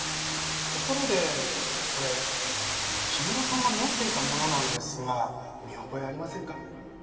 ところでこれ氷室さんが持っていたものなんですが見覚えありませんか？